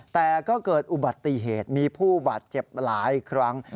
แต่ก็เกิดอุบัติเหตุมีผู้บาดเจ็บหลายครั้ง